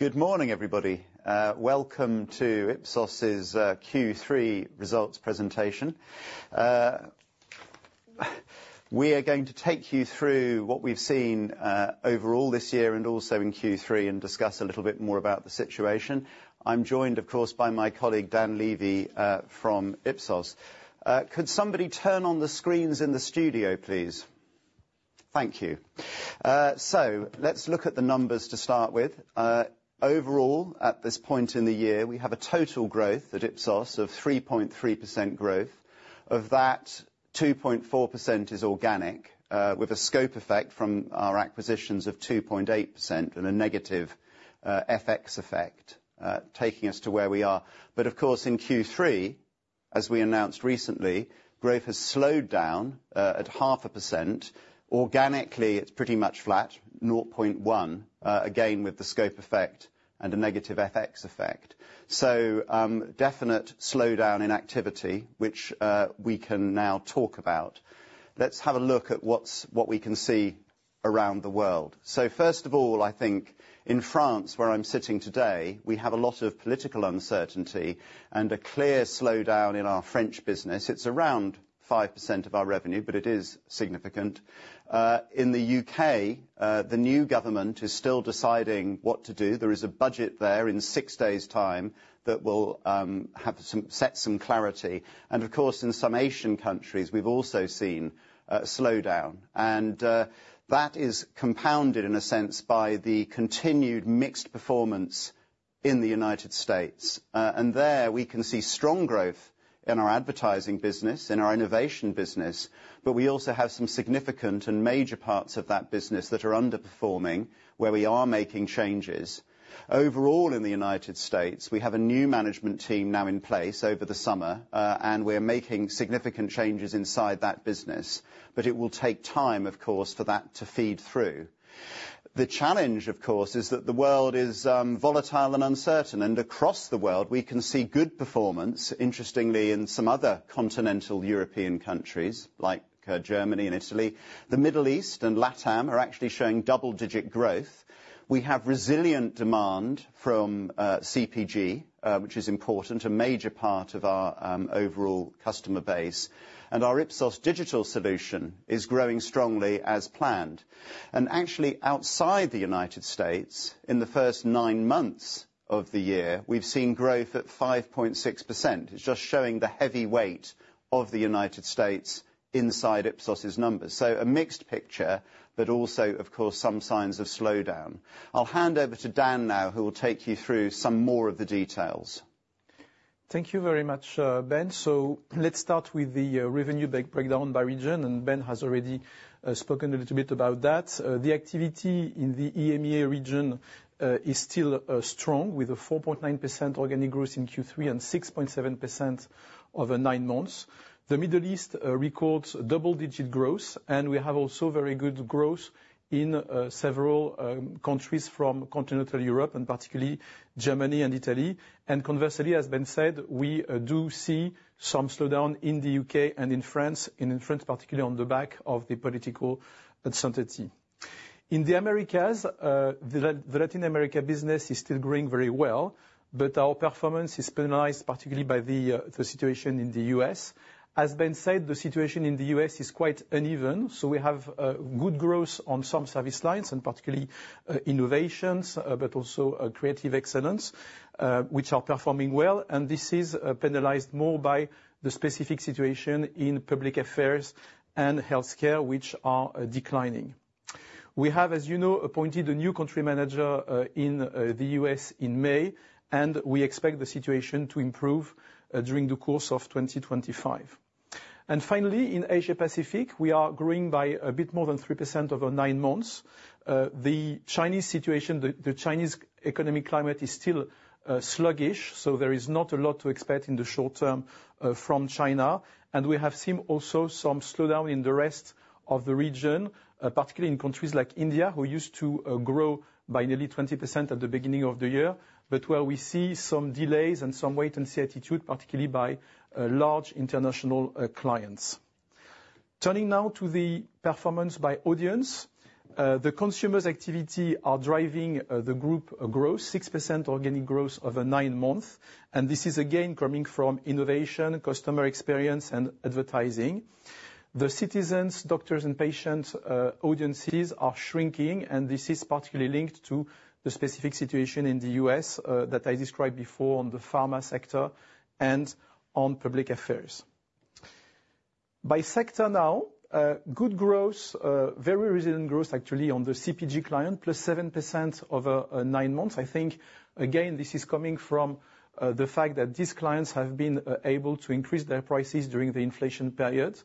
Good morning, everybody. Welcome to Ipsos's Q3 Results Presentation. We are going to take you through what we've seen overall this year and also in Q3, and discuss a little bit more about the situation. I'm joined, of course, by my colleague, Dan Lévy, from Ipsos. Could somebody turn on the screens in the studio, please? Thank you, so let's look at the numbers to start with. Overall, at this point in the year, we have a total growth at Ipsos of 3.3% growth. Of that, 2.4% is organic, with a scope effect from our acquisitions of 2.8% and a negative FX effect taking us to where we are, but of course, in Q3, as we announced recently, growth has slowed down at 0.5%. Organically, it's pretty much flat, nought point one, again, with the scope effect and a negative FX effect. So, definite slowdown in activity, which we can now talk about. Let's have a look at what's what we can see around the world. So first of all, I think in France, where I'm sitting today, we have a lot of political uncertainty and a clear slowdown in our French business. It's around 5% of our revenue, but it is significant. In the U.K., the new government is still deciding what to do. There is a budget there in six days' time that will have some set some clarity. And of course, in some Asian countries, we've also seen a slowdown, and that is compounded in a sense by the continued mixed performance in the United States. And there, we can see strong growth in our advertising business and our innovation business, but we also have some significant and major parts of that business that are underperforming, where we are making changes. Overall, in the United States, we have a new management team now in place over the summer, and we're making significant changes inside that business, but it will take time, of course, for that to feed through. The challenge, of course, is that the world is volatile and uncertain, and across the world, we can see good performance, interestingly, in some other continental European countries, like Germany and Italy. The Middle East and Latam are actually showing double-digit growth. We have resilient demand from CPG, which is important, a major part of our overall customer base, and our Ipsos Digital solution is growing strongly as planned. Actually, outside the United States, in the first nine months of the year, we've seen growth at 5.6%. It's just showing the heavy weight of the United States inside Ipsos's numbers. A mixed picture, but also, of course, some signs of slowdown. I'll hand over to Dan now, who will take you through some more of the details. Thank you very much, Ben. Let's start with the revenue breakdown by region, and Ben has already spoken a little bit about that. The activity in the EMEA region is still strong, with 4.9% organic growth in Q3 and 6.7% over nine months. The Middle East records double-digit growth, and we have also very good growth in several countries from continental Europe, and particularly Germany and Italy. Conversely, as Ben said, we do see some slowdown in the U.K. and in France, and in France, particularly on the back of the political uncertainty. In the Americas, the Latin America business is still growing very well, but our performance is penalized, particularly by the situation in the U.S. As Ben said, the situation in the U.S. is quite uneven, so we have good growth on some service lines, and particularly innovations, but also creative excellence, which are performing well, and this is penalized more by the specific situation in public affairs and healthcare, which are declining. We have, as you know, appointed a new country manager in the U.S. in May, and we expect the situation to improve during the course of 2025. And finally, in Asia Pacific, we are growing by a bit more than 3% over nine months. The Chinese situation, the Chinese economic climate is still sluggish, so there is not a lot to expect in the short term from China. And we have seen also some slowdown in the rest of the region, particularly in countries like India, who used to grow by nearly 20% at the beginning of the year, but where we see some delays and some wait and see attitude, particularly by large international clients. Turning now to the performance by audience, the consumers activity are driving the group growth, 6% organic growth over nine months, and this is again coming from innovation, customer experience, and advertising. The citizens, doctors, and patients audiences are shrinking, and this is particularly linked to the specific situation in the U.S. that I described before on the pharma sector and on public affairs. By sector now, good growth, very resilient growth, actually, on the CPG client, +7% over nine months. I think, again, this is coming from the fact that these clients have been able to increase their prices during the inflation period,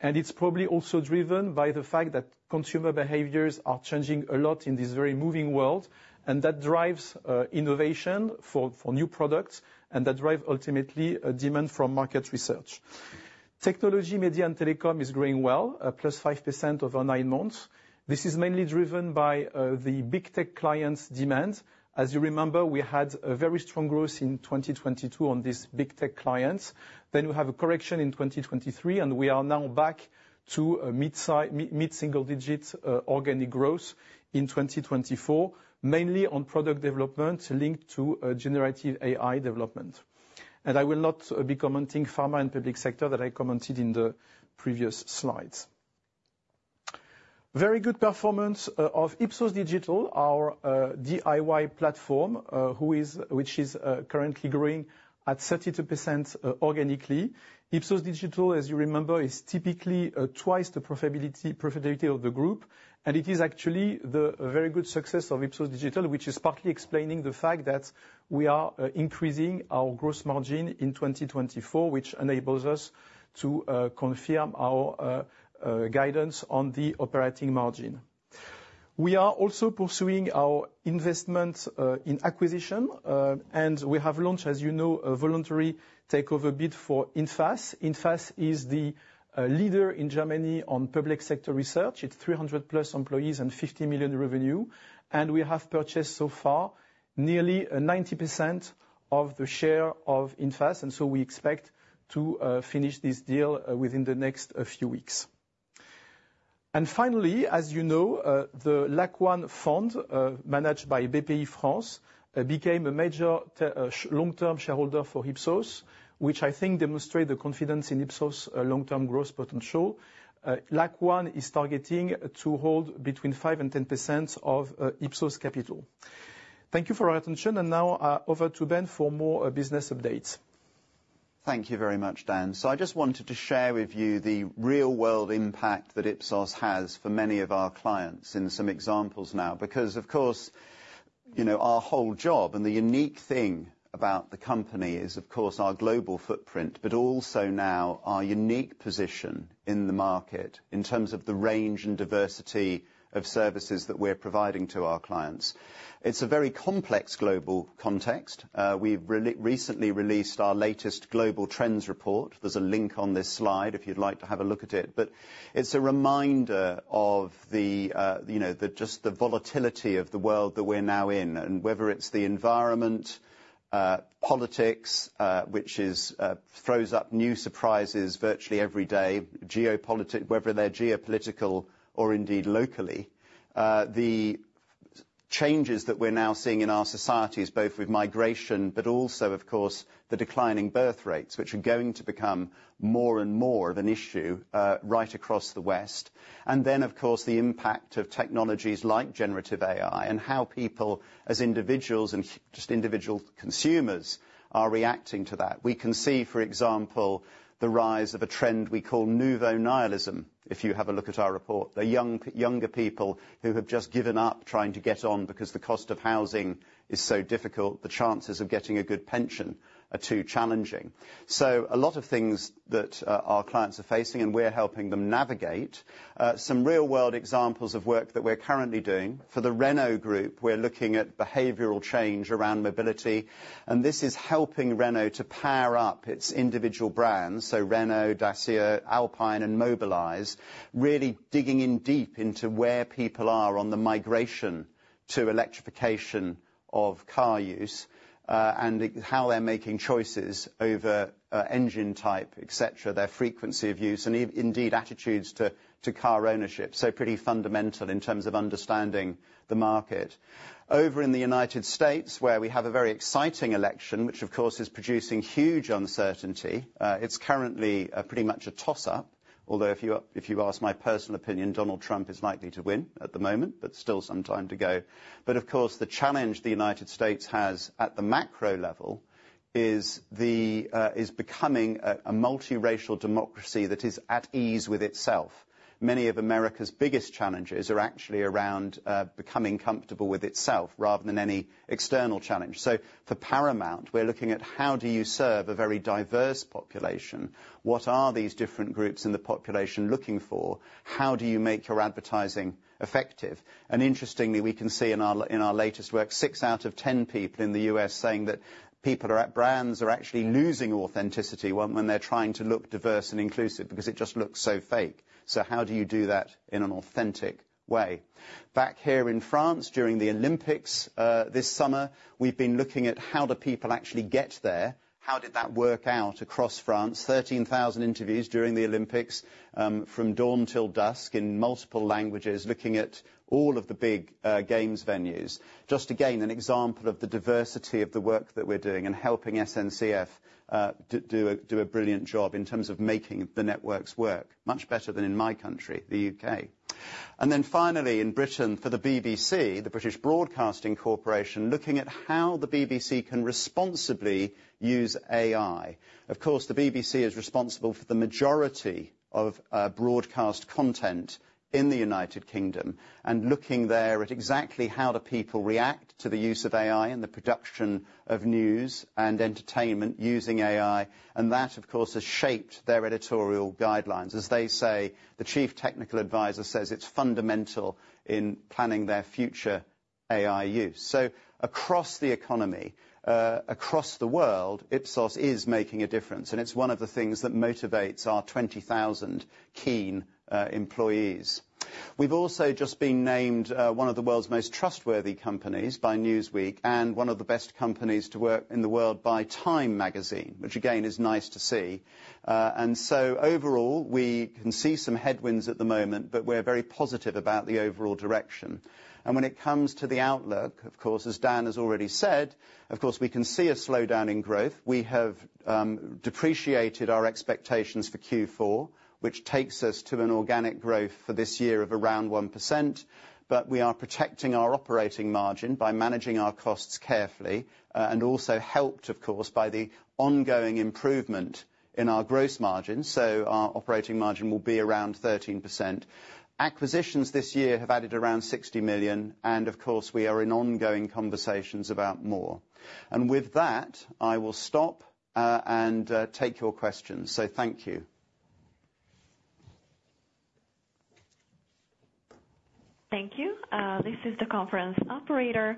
and it's probably also driven by the fact that consumer behaviors are changing a lot in this very moving world, and that drives innovation for new products, and that drive, ultimately, a demand from market research. Technology, Media, and Telecom is growing well, +5% over nine months. This is mainly driven by the big tech clients' demand. As you remember, we had a very strong growth in 2022 on these big tech clients. Then we have a correction in 2023, and we are now back to a mid-single digits organic growth in 2024, mainly on product development linked to generative AI development. I will not be commenting pharma and public sector that I commented in the previous slides. Very good performance of Ipsos Digital, our DIY platform, which is currently growing at 32% organically. Ipsos Digital, as you remember, is typically twice the profitability of the group, and it is actually the very good success of Ipsos Digital which is partly explaining the fact that we are increasing our gross margin in 2024, which enables us to confirm our guidance on the operating margin. We are also pursuing our investment in acquisition, and we have launched, as you know, a voluntary takeover bid for Infas. Infas is the leader in Germany on public sector research. It's 300+ employees and $50 million revenue, and we have purchased so far nearly 90% of the share of Infas, and so we expect to finish this deal within the next few weeks. And finally, as you know, the Lac1 Fund managed by Bpifrance became a major long-term shareholder for Ipsos, which I think demonstrate the confidence in Ipsos' long-term growth potential. Lac1 is targeting to hold between 5% and 10% of Ipsos capital. Thank you for your attention, and now over to Ben for more business updates. Thank you very much, Dan. So I just wanted to share with you the real-world impact that Ipsos has for many of our clients in some examples now. Because, of course, you know, our whole job, and the unique thing about the company is, of course, our global footprint, but also now our unique position in the market in terms of the range and diversity of services that we're providing to our clients. It's a very complex global context. We've recently released our latest Global Trends Report. There's a link on this slide if you'd like to have a look at it. But it's a reminder of the, you know, just the volatility of the world that we're now in, and whether it's the environment, politics, which throws up new surprises virtually every day, whether they're geopolitical or indeed locally. The changes that we're now seeing in our societies, both with migration, but also, of course, the declining birth rates, which are going to become more and more of an issue, right across the West. And then, of course, the impact of technologies like generative AI and how people as individuals and just individual consumers are reacting to that. We can see, for example, the rise of a trend we call Nouveau Nihilism, if you have a look at our report. The young, younger people who have just given up trying to get on because the cost of housing is so difficult, the chances of getting a good pension are too challenging. So a lot of things that our clients are facing, and we're helping them navigate. Some real-world examples of work that we're currently doing: for the Renault Group, we're looking at behavioral change around mobility, and this is helping Renault to power up its individual brands, so Renault, Dacia, Alpine, and Mobilize, really digging in deep into where people are on the migration to electrification of car use, and how they're making choices over, engine type, et cetera, their frequency of use, and indeed, attitudes to car ownership, so pretty fundamental in terms of understanding the market. Over in the United States, where we have a very exciting election, which, of course, is producing huge uncertainty, it's currently, pretty much a toss-up, although if you ask my personal opinion, Donald Trump is likely to win at the moment, but still some time to go. But of course, the challenge the United States has at the macro level is becoming a multiracial democracy that is at ease with itself. Many of America's biggest challenges are actually around becoming comfortable with itself rather than any external challenge. So for Paramount, we're looking at how do you serve a very diverse population? What are these different groups in the population looking for? How do you make your advertising effective? And interestingly, we can see in our latest work, six out of ten people in the U.S. saying that people are... brands are actually losing authenticity when they're trying to look diverse and inclusive, because it just looks so fake. So how do you do that in an authentic way? Back here in France, during the Olympics this summer, we've been looking at how do people actually get there? How did that work out across France? 13,000 interviews during the Olympics, from dawn till dusk, in multiple languages, looking at all of the big games venues. Just again, an example of the diversity of the work that we're doing and helping SNCF do a brilliant job in terms of making the networks work much better than in my country, the U.K. And then finally, in Britain, for the BBC, the British Broadcasting Corporation, looking at how the BBC can responsibly use AI. Of course, the BBC is responsible for the majority of broadcast content in the United Kingdom, and looking there at exactly how do people react to the use of AI in the production of news and entertainment using AI, and that, of course, has shaped their editorial guidelines. As they say, the chief technical advisor says it's fundamental in planning their future AI use. So across the economy, across the world, Ipsos is making a difference, and it's one of the things that motivates our 20,000 keen employees. We've also just been named one of the world's most trustworthy companies by Newsweek and one of the best companies to work in the world by Time Magazine, which, again, is nice to see. And so overall, we can see some headwinds at the moment, but we're very positive about the overall direction. And when it comes to the outlook, of course, as Dan has already said, of course, we can see a slowdown in growth. We have depreciated our expectations for Q4, which takes us to an organic growth for this year of around 1%. But we are protecting our operating margin by managing our costs carefully, and also helped, of course, by the ongoing improvement in our gross margins, so our operating margin will be around 13%. Acquisitions this year have added around 60 million, and of course, we are in ongoing conversations about more. And with that, I will stop, and take your questions. So thank you. Thank you. This is the conference operator.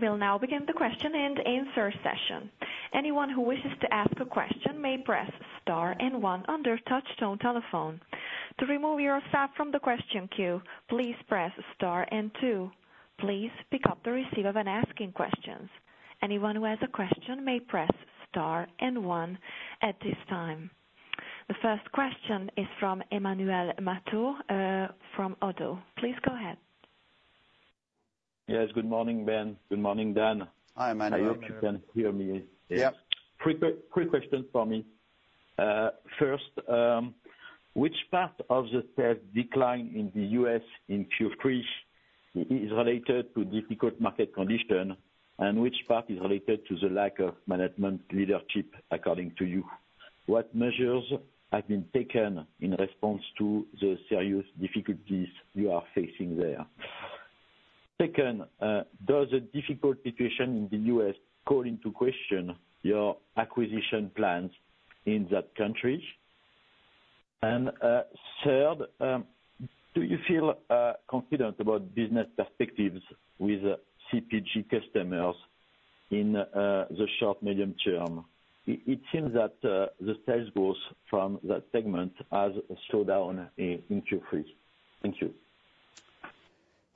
We'll now begin the question and answer session. Anyone who wishes to ask a question may press star and one on their touchtone telephone. To remove yourself from the question queue, please press star and two. Please pick up the receiver when asking questions. Anyone who has a question may press star and one at this time. The first question is from Emmanuel Matot from Oddo. Please go ahead. Yes, good morning, Ben. Good morning, Dan. Hi, Emmanuel. I hope you can hear me. Yep. Quick, quick question for me. First, which part of the sales decline in the U.S. in Q3 is related to difficult market condition, and which part is related to the lack of management leadership, according to you? What measures have been taken in response to the serious difficulties you are facing there? Second, does the difficult situation in the U.S. call into question your acquisition plans in that country? And, third, do you feel confident about business perspectives with CPG customers in the short, medium term? It seems that the sales growth from that segment has slowed down in Q3. Thank you.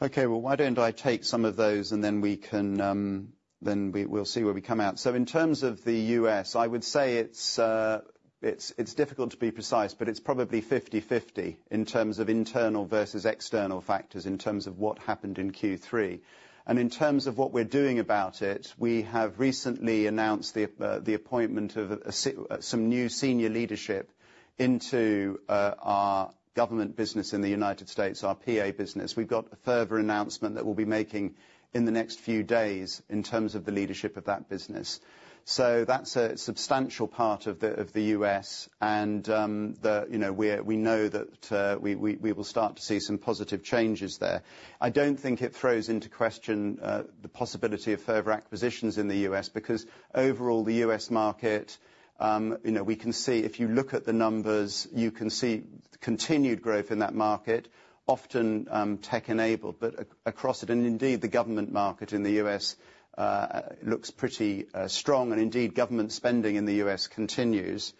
Okay, why don't I take some of those, and then we can, then we, we'll see where we come out. So in terms of the U.S., I would say it's difficult to be precise, but it's probably fifty-fifty in terms of internal versus external factors, in terms of what happened in Q3. And in terms of what we're doing about it, we have recently announced the appointment of some new senior leadership into our government business in the United States, our PA business. We've got a further announcement that we'll be making in the next few days in terms of the leadership of that business. So that's a substantial part of the U.S., and you know, we know that we will start to see some positive changes there. I don't think it throws into question the possibility of further acquisitions in the U.S., because overall, the U.S. market, you know, we can see, if you look at the numbers, you can see continued growth in that market, often tech-enabled. But across it, and indeed, the government market in the U.S. looks pretty strong, and indeed, government spending in the U.S. continues.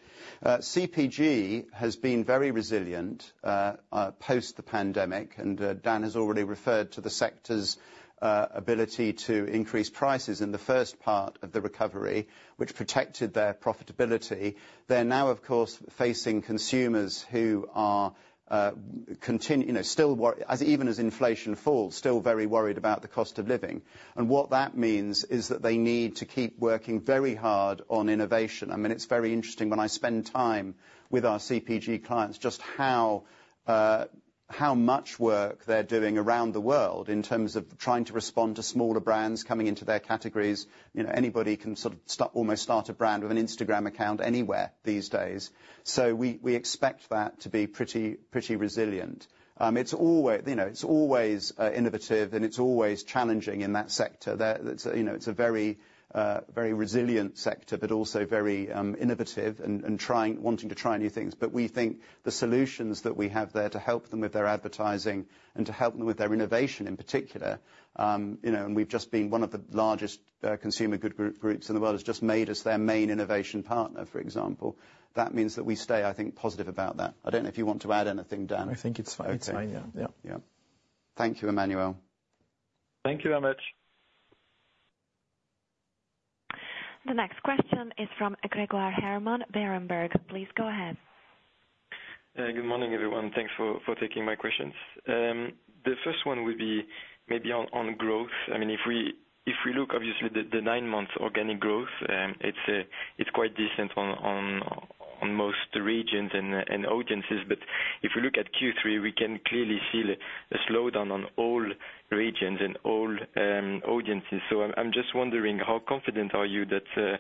CPG has been very resilient post the pandemic, and Dan has already referred to the sector's ability to increase prices in the first part of the recovery, which protected their profitability. They're now, of course, facing consumers who are. You know, even as inflation falls, still very worried about the cost of living. And what that means is that they need to keep working very hard on innovation. I mean, it's very interesting, when I spend time with our CPG clients, just how much work they're doing around the world in terms of trying to respond to smaller brands coming into their categories. You know, anybody can sort of almost start a brand with an Instagram account anywhere these days. So we expect that to be pretty resilient. You know, it's always innovative, and it's always challenging in that sector. There, it's a very resilient sector, but also very innovative and trying, wanting to try new things. But we think the solutions that we have there to help them with their advertising and to help them with their innovation, in particular, you know, and we've just been one of the largest consumer goods group in the world has just made us their main innovation partner, for example. That means that we stay, I think, positive about that. I don't know if you want to add anything, Dan. I think it's fine. It's fine. Yeah. Yeah. Thank you, Emmanuel. Thank you very much. The next question is from Grégoire Hermann, Berenberg. Please go ahead. Good morning, everyone. Thanks for taking my questions. The first one will be maybe on growth. I mean, if we look, obviously, the nine-month organic growth, it's quite decent on most regions and audiences. But if you look at Q3, we can clearly see the slowdown on all regions and all audiences. So I'm just wondering, how confident are you that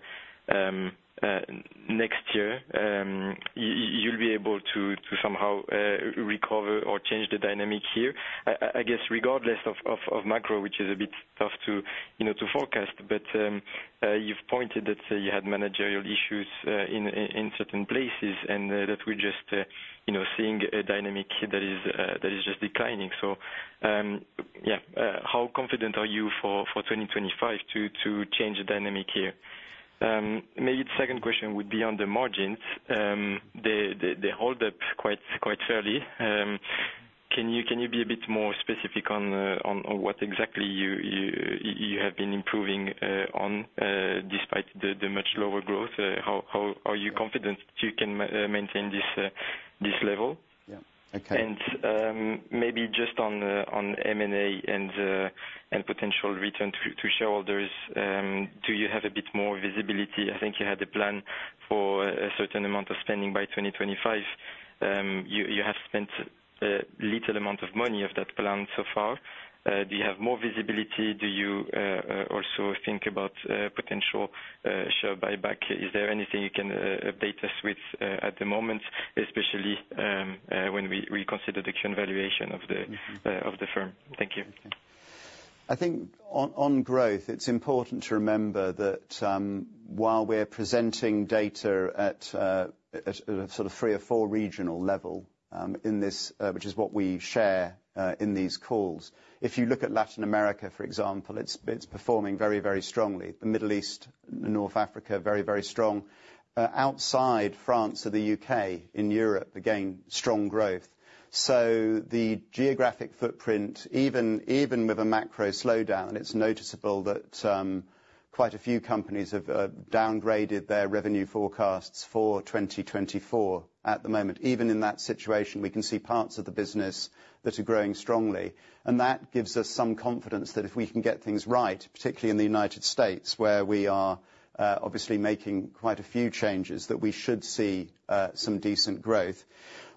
next year you'll be able to somehow recover or change the dynamic here, I guess, regardless of macro, which is a bit tough, you know, to forecast. But you've pointed that you had managerial issues in certain places, and that we just, you know, seeing a dynamic that is just declining. Yeah, how confident are you for 2025 to change the dynamic here? Maybe the second question would be on the margins. They hold up quite fairly. Can you be a bit more specific on what exactly you have been improving on despite the much lower growth? How are you confident you can maintain this level? Yeah. Okay. Maybe just on M&A and potential return to shareholders, do you have a bit more visibility? I think you had a plan for a certain amount of spending by 2025. You have spent little amount of money of that plan so far. Do you have more visibility? Do you also think about potential share buyback? Is there anything you can update us with at the moment, especially when we reconsider the current valuation of the- Mm-hmm... of the firm? Thank you. I think on growth, it's important to remember that, while we're presenting data at a sort of three or four regional level, in this, which is what we share in these calls. If you look at Latin America, for example, it's performing very, very strongly. The Middle East, North Africa, very, very strong. Outside France or the UK, in Europe, again, strong growth. So the geographic footprint, even with a macro slowdown, it's noticeable that quite a few companies have downgraded their revenue forecasts for 2024 at the moment. Even in that situation, we can see parts of the business that are growing strongly, and that gives us some confidence that if we can get things right, particularly in the United States, where we are, obviously making quite a few changes, that we should see some decent growth.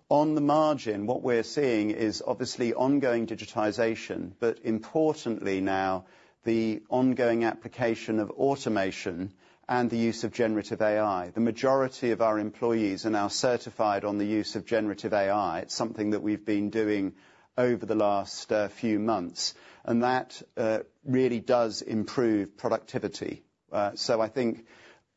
On the margin, what we're seeing is obviously ongoing digitization, but importantly now, the ongoing application of automation and the use of generative AI. The majority of our employees are now certified on the use of generative AI. It's something that we've been doing over the last few months, and that really does improve productivity, so I think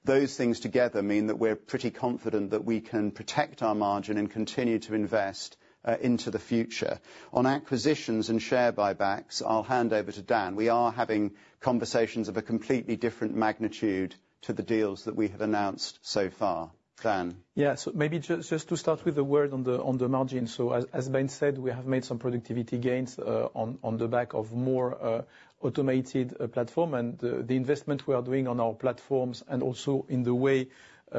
those things together mean that we're pretty confident that we can protect our margin and continue to invest into the future. On acquisitions and share buybacks, I'll hand over to Dan. We are having conversations of a completely different magnitude to the deals that we have announced so far. Dan? Yeah. So maybe just to start with a word on the margin. So as Ben said, we have made some productivity gains on the back of more automated platform, and the investment we are doing on our platforms and also in the way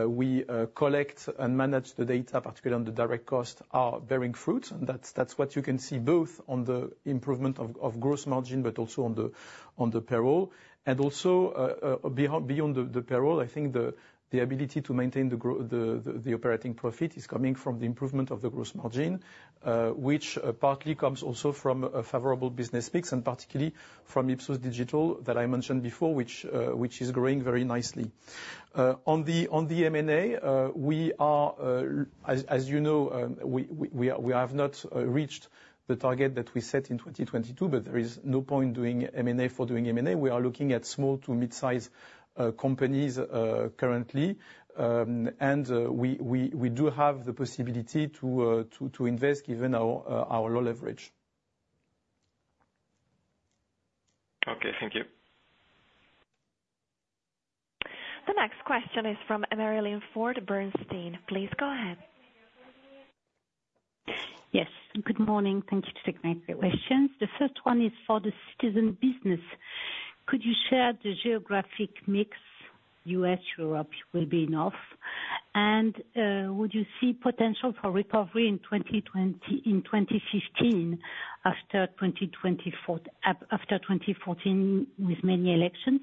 we collect and manage the data, particularly on the direct costs, are bearing fruit. And that's what you can see, both on the improvement of gross margin, but also on the payroll. And also beyond the payroll, I think the ability to maintain the operating profit is coming from the improvement of the gross margin, which partly comes also from a favorable business mix, and particularly from Ipsos Digital, that I mentioned before, which is growing very nicely. On the M&A, as you know, we have not reached the target that we set in 2022, but there is no point doing M&A for doing M&A. We are looking at small to mid-size companies currently, and we do have the possibility to invest, given our low leverage. Okay, thank you. The next question is from Marie-Line Fort, Société Générale. Please go ahead. Yes, good morning. Thank you to take my questions. The first one is for the citizen business. Could you share the geographic mix? U.S., Europe will be enough. And would you see potential for recovery in 2025, after 2024, with many elections?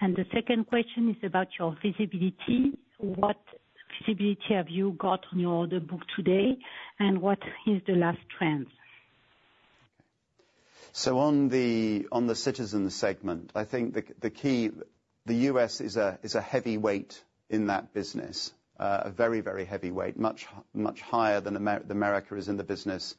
And the second question is about your visibility. What visibility have you got on your order book today, and what is the last trend? So on the citizen segment, I think the key, the U.S. is a heavyweight in that business, a very, very heavyweight, much higher than the Americas is in the business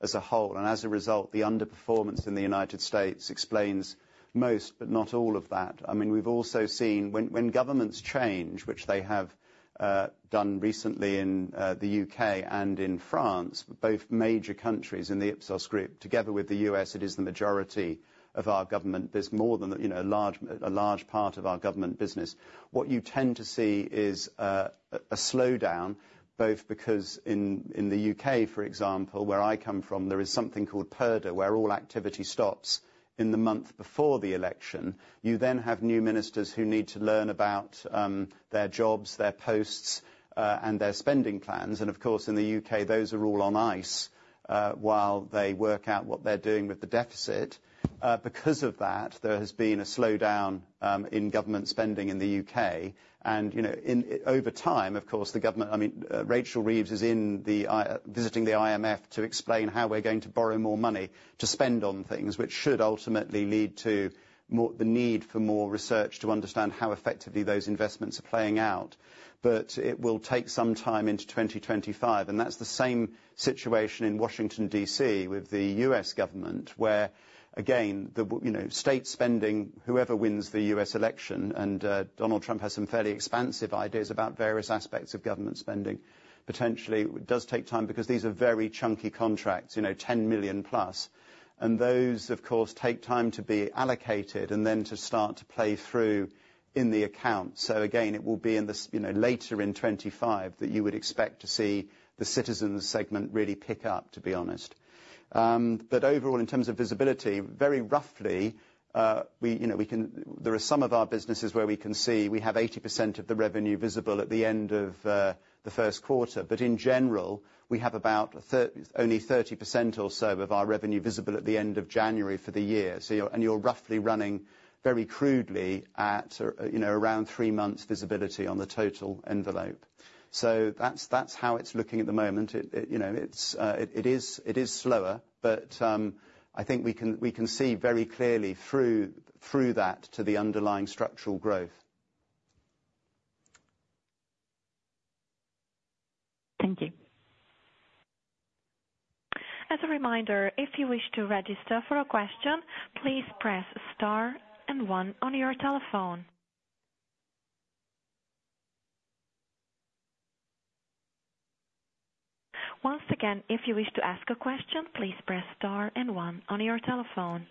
as a whole. And as a result, the underperformance in the United States explains most, but not all of that. I mean, we've also seen when governments change, which they have done recently in the U.K. and in France, both major countries in the Ipsos Group. Together with the U.S., it is the majority of our government. There's more than, you know, a large part of our government business. What you tend to see is a slowdown, both because in the U.K., for example, where I come from, there is something called Purdah, where all activity stops in the month before the election. You then have new ministers who need to learn about their jobs, their posts, and their spending plans. And of course, in the U.K., those are all on ice while they work out what they're doing with the deficit. Because of that, there has been a slowdown in government spending in the U.K. You know, and over time, of course, the government, I mean, Rachel Reeves is visiting the IMF to explain how we're going to borrow more money to spend on things, which should ultimately lead to more, the need for more research to understand how effectively those investments are playing out. But it will take some time into 2025, and that's the same situation in Washington, D.C., with the U.S. government, where again, the, you know, state spending, whoever wins the U.S. election, and Donald Trump has some fairly expansive ideas about various aspects of government spending. Potentially it does take time, because these are very chunky contracts, you know, 10 million+. And those, of course, take time to be allocated and then to start to play through in the account. So again, it will be in this, you know, later in 2025 that you would expect to see the citizens segment really pick up, to be honest. But overall, in terms of visibility, very roughly, we, you know, there are some of our businesses where we can see we have 80% of the revenue visible at the end of the first quarter. But in general, we have about only 30% or so of our revenue visible at the end of January for the year. So you're roughly running very crudely at, you know, around three months visibility on the total envelope. So that's how it's looking at the moment. You know, it's slower, but I think we can see very clearly through that to the underlying structural growth. Thank you. As a reminder, if you wish to register for a question, please press star and one on your telephone. Once again, if you wish to ask a question, please press star and one on your telephone.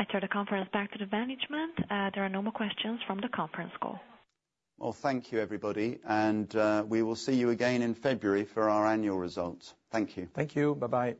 I turn the conference back to the management. There are no more questions from the conference call. Thank you, everybody, and we will see you again in February for our annual results. Thank you. Thank you. Bye-bye.